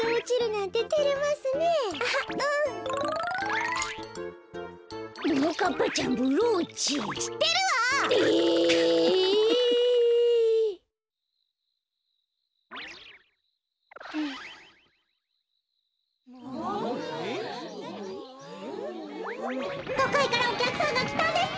とかいからおきゃくさんがきたんですって！